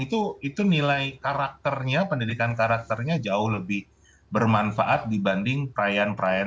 itu nilai karakternya pendidikan karakternya jauh lebih bermanfaat dibanding perayaan perayaan